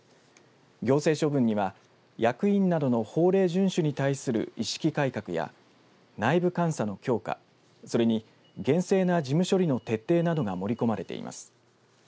行政処分には役員などの法令順守に対する意識改革や内部監査の強化それに厳正な事務処理の徹底などが盛り込まれています。